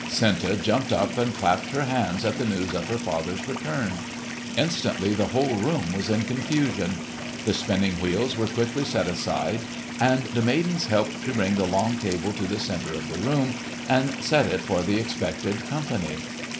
Senta jumped up and clapped her hands at the news of her father's return. Instantly the whole room was in confusion. The spinning wheels were quickly set aside, and the maidens helped to bring the long table to the centre of the room and set it for the expected company.